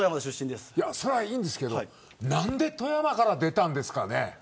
それはいいんですけど何で富山から出たんですか。